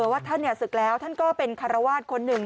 ว่าท่านศึกแล้วท่านก็เป็นคารวาสคนหนึ่ง